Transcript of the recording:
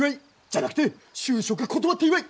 じゃなくて就職断った祝い！